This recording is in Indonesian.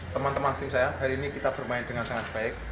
teman teman tim saya hari ini kita bermain dengan sangat baik